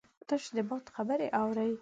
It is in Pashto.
تش د باد خبرې اوري